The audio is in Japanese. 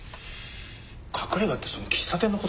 隠れ家ってその喫茶店の事じゃ？